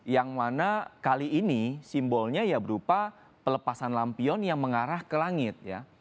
yang mana kali ini simbolnya ya berupa pelepasan lampion yang mengarah ke langit ya